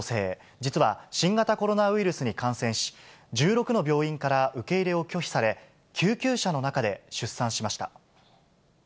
実は、新型コロナウイルスに感染し、１６の病院から受け入れを拒否され、救急車の中で出産しました。